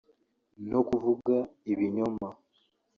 no kuvuga ibinyoma